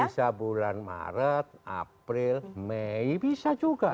bisa bulan maret april mei bisa juga